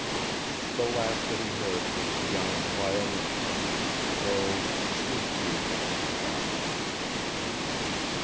The last that he heard was Jan's violin playing low, sweet music to the child.